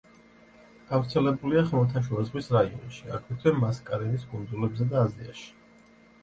გავრცელებულია ხმელთაშუა ზღვის რაიონში, აგრეთვე მასკარენის კუნძულებზე და აზიაში.